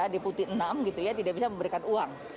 deputi enam gitu ya tidak bisa memberikan uang